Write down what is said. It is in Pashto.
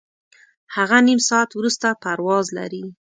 هغه نیم ساعت وروسته پرواز لري.